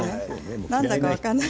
何だか分からない。